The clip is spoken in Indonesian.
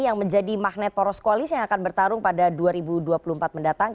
yang menjadi magnet poros koalisi yang akan bertarung pada dua ribu dua puluh empat mendatang